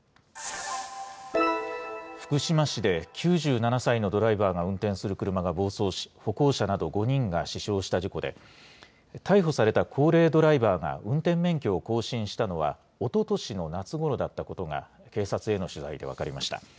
福島市で９７歳のドライバーが運転する車が暴走し、歩行者など５人が死傷した事故で、逮捕された高齢ドライバーが運転免許を更新したのは、おととしの夏ごろだったことが、警察への取材で分かりました。